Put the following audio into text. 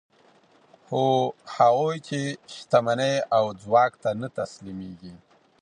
خو هغوی چې شتمنۍ او ځواک ته نه تسلیمېږي